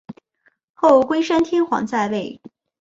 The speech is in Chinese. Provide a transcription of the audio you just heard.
后龟山天皇在位。